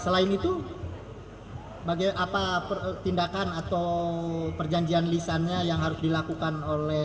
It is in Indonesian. selain itu apa tindakan atau perjanjian lisannya yang harus dilakukan oleh